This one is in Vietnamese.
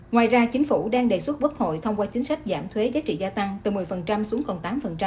ngoài ra chính phủ đang đề xuất quốc hội thông qua chính sách giảm thuế giá trị gia tăng từ một mươi xuống còn tám